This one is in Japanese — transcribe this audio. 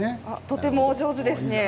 とてもお上手ですね。